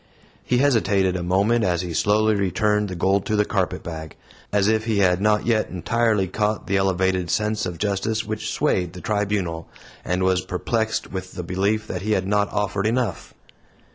He hesitated a moment as he slowly returned the gold to the carpetbag, as if he had not yet entirely caught the elevated sense of justice which swayed the tribunal, and was perplexed with the belief that he had not offered enough.